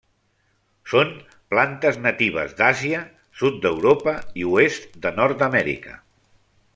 Són plantes natives d'Àsia, sud d'Europa i oest de Nord-amèrica.